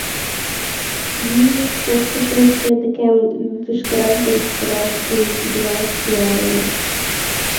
Йӱыш-кочкышым шке декем лишкырак да лишкырак шындылаш тӱҥальым.